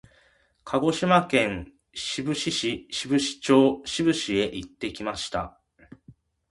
鹿児島県志布志市志布志町志布志へ行きました。